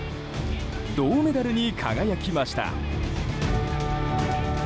銅メダルに輝きました。